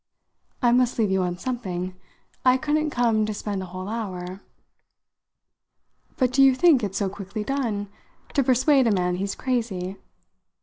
"I must leave you on something. I couldn't come to spend a whole hour." "But do you think it's so quickly done to persuade a man he's crazy?"